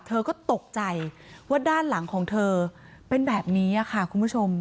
เธอก็ตกใจว่าด้านหลังของเธอเป็นแบบนี้ค่ะคุณผู้ชม